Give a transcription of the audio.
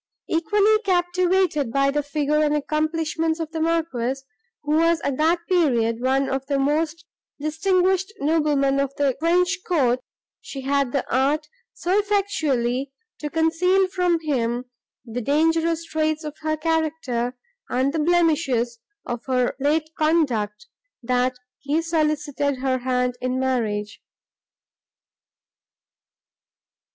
Equally captivated by the figure and accomplishments of the Marquis, who was at that period one of the most distinguished noblemen of the French court, she had the art so effectually to conceal from him the dangerous traits of her character and the blemishes of her late conduct, that he solicited her hand in marriage.